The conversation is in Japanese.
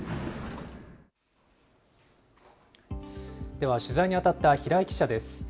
では取材に当たった平井記者です。